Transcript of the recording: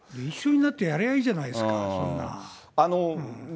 一緒になって、やればいいじゃないですか、そんなん。